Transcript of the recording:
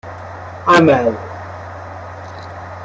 اَمل